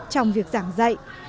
trong việc giảng dạy